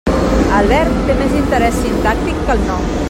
El verb té més interès sintàctic que el nom.